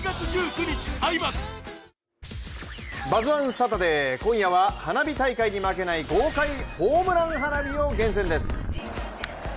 サタデー今夜は花火大会に負けない豪快ホームラン花火を厳選です。